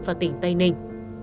và tỉnh tây ninh